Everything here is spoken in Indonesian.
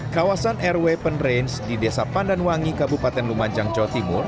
kawasan rw pen range di desa pandanwangi kabupaten lumajang jawa timur